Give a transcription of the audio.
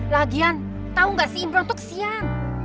lagian tahu gak si imran tuh kesian